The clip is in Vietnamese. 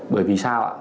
bởi vì sao ạ